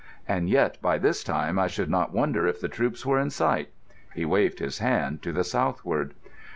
And yet by this time I should not wonder if the troops were in sight." He waved a hand to the southward.